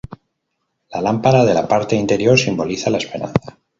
La lámpara de la parte inferior simboliza la esperanza.